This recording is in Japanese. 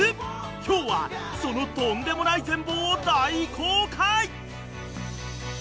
［今日はそのとんでもない全貌を大公開！］